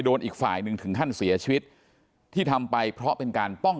อีกฝ่ายหนึ่งถึงขั้นเสียชีวิตที่ทำไปเพราะเป็นการป้อง